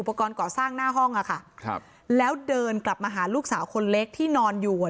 ก่อสร้างหน้าห้องอ่ะค่ะครับแล้วเดินกลับมาหาลูกสาวคนเล็กที่นอนอยู่อ่ะ